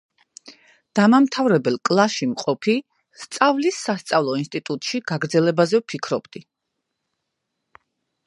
დამამთავრებელ კლასში მყოფი, სწავლის სასწავლო ინსტიტუტში გაგრძელებაზე ვფიქრობდი.